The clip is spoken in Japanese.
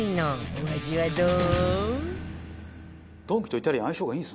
お味はどう？